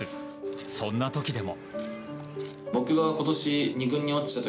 そんな時でも。